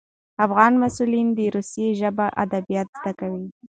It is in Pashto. افغان محصلان د روسي ژبو ادبیات زده کوي.